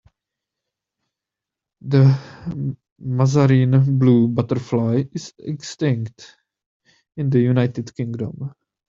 The Mazarine Blue butterfly is extinct in the United Kingdom.